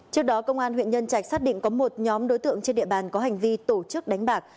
trước đó công an huyện nhân trạch xác định có một nhóm đối tượng trên địa bàn có hành vi tổ chức đánh bạc